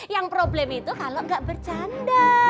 yang problem itu kalau nggak bercanda